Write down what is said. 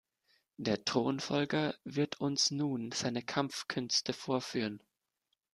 Der Thronfolger wird uns nun seine Kampfkünste vorführen.